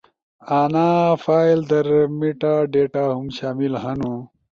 انا فائل در میٹا ڈیٹا ہُم شامل ہنو